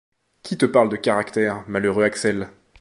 Qui te parle de caractères, malheureux Axel ?